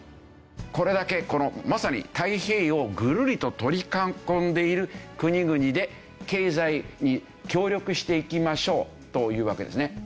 これだけまさに太平洋をぐるりと取り囲んでいる国々で経済に協力していきましょうというわけですね。